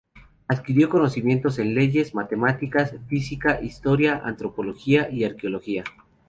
Adquirió conocimientos en Leyes, Matemáticas, Física, Historia, Antropología y Arqueología.